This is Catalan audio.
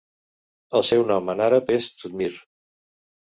El seu nou en àrab és Tudmir.